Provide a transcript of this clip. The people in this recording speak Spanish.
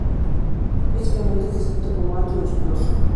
Físicamente es descrito como alto y musculoso.